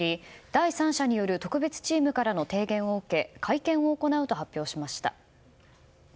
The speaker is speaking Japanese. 第三者による特別チームからの提言を受け会見を行うと発表しました。